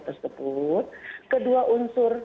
tersebut kedua unsur